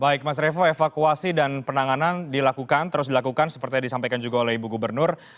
baik mas revo evakuasi dan penanganan dilakukan terus dilakukan seperti yang disampaikan juga oleh ibu gubernur